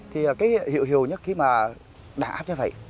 thì cái hiệu hiệu nhất khi mà đàn áp như vậy